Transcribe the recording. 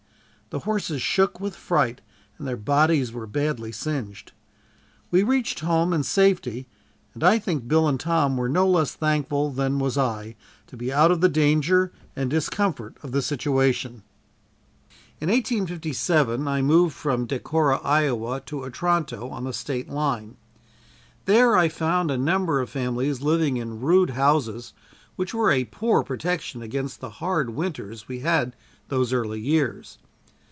The horses shook with, fright and their bodies were badly singed. We reached home in safety, and I think Bill and Tom were no less thankful than was I, to be out of the danger and discomfort of the situation. In 1857 I moved from Decorah, Iowa, to Otranto on the state line. There I found a number of families living in rude houses which were a poor protection against the hard winters we had those early years.